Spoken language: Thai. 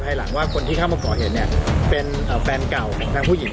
เผาผู้เจอเป็นแฟนเก่านางผู้หญิง